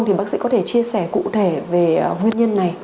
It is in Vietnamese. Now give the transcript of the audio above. thì bác sĩ có thể chia sẻ cụ thể về nguyên nhân này